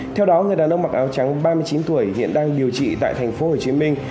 theo đó người đàn ông mặc áo trắng ba mươi chín tuổi hiện đang điều trị tại thành phố hồ chí minh